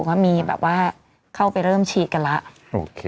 ก็มีแบบว่าเข้าไปเริ่มฉีดกันแล้ว